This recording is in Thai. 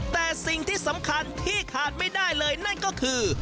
แต่สิ่งที่สำคัญที่ขาดไม่ได้เลยนั่นก็คือ